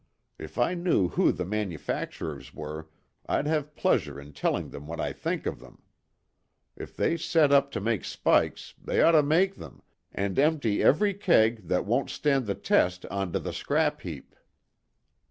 If I knew who the manufacturers were, I'd have pleasure in telling them what I think of them. If they set up to make spikes, they ought to make them, and empty every keg that won't stand the test on to the scrap heap."